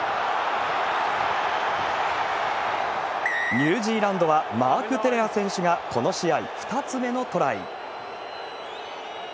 ニュージーランドはマーク・テレア選手が選手がこの試合、２つ目のトライ。